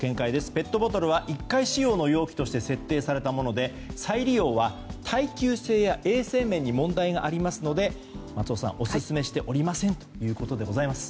ペットボトルは１回使用の容器として設定されたもので再利用は耐久性や衛生面に問題がありますので松尾さんオススメしておりませんということでございます。